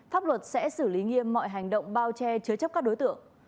pháp luật sẽ xử lý nghiêm mọi hành động bao che chứa chấp các đối tượng